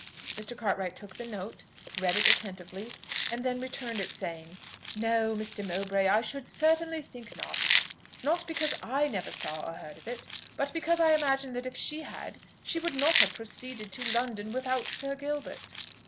Mr. Cartwright took the note, read it attentively, and then returned it, saying, "No, Mr. Mowbray, I should certainly think not: not because I never saw or heard of it, but because I imagine that if she had, she would not have proceeded to London without Sir Gilbert.